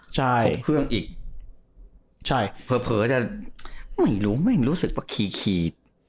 ใช่ครบเครื่องอีกใช่เผลอเผลอจะไม่รู้แม่งรู้สึกว่าคีย์คีย์